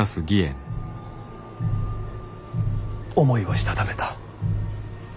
思いをしたためた。